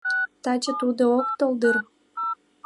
Таче тудо ок тол дыр?